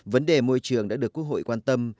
vấn đề môi trường đã được quốc hội quan tâm